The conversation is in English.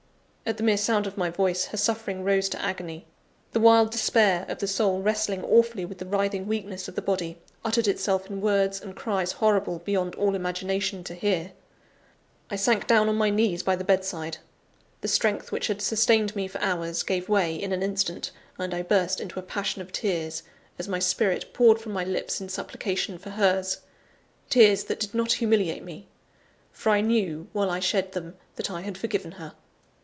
At the mere sound of my voice, her suffering rose to agony; the wild despair of the soul wrestling awfully with the writhing weakness of the body, uttered itself in words and cries horrible, beyond all imagination, to hear. I sank down on my knees by the bedside; the strength which had sustained me for hours, gave way in an instant, and I burst into a passion of tears, as my spirit poured from my lips in supplication for hers tears that did not humiliate me; for I knew, while I shed them, that I had forgiven her!